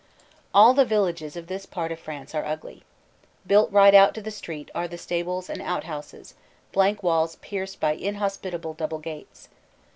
All the villages of this part of France are ugly. Built right out to the street are the stables and out houses blank walls pierced by inhospitable double gates.